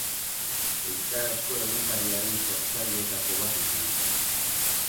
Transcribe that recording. Euskarazko egunkariaren sortzaileetako bat izan zen.